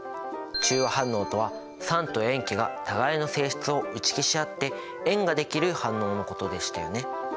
中和反応とは酸と塩基が互いの性質を打ち消し合って塩が出来る反応のことでしたよね。